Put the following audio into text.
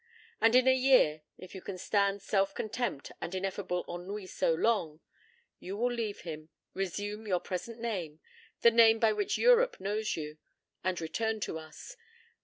And in a year if you can stand self contempt and ineffable ennui so long you will leave him, resume your present name the name by which Europe knows you and return to us.